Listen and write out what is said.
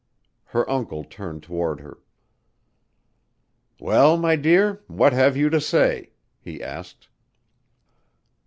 Her uncle turned toward her. "Well, my dear, what have you to say?" he asked.